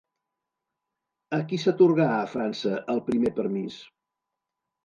A qui s'atorgà a França el primer permís?